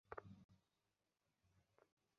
রাগ বেড়ে উঠল, কিন্তু কী করতে হবে ভেবে পায় না।